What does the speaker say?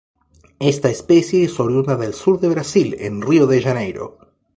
Esta especie es oriunda del Sur de Brasil en Río de Janeiro.